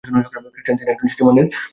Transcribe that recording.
খ্রিস্টান, তিনি একজন শীর্ষ মানের আইনজীবী।